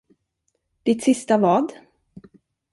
Ditt sista vad?